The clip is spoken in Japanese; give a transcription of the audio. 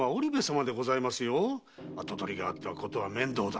跡取りがあっては事は面倒だと。